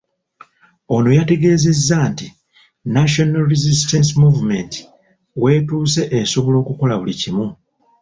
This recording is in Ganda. Ono yategeezezza nti National Resistance Movement w'etuuse esobola okukola buli kimu .